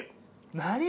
何？